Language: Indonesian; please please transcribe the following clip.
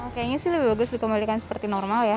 kayaknya sih lebih bagus dikembalikan seperti normal ya